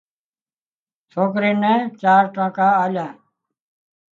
سوڪري نين چار ٽانڪا آليا